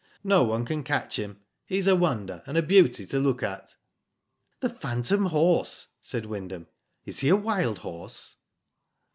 No one can catch him. He's a wonder, and a beauty to look at." "The phantom horse," said Wyndham. "Is he a wild horse?"